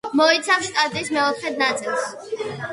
მოიცავს შტატის მეოთხედ ნაწილს.